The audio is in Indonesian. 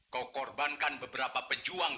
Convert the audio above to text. kau korbankan beberapa pejuang